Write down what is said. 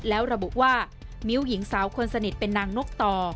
แล้วระบุว่ามิ้วหญิงสาวคนสนิทเป็นนางนกต่อ